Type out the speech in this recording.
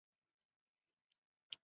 艾希莉顿时霉运当头。